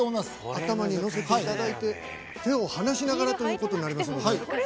頭に乗せていただいて手を離しながらということになりますので。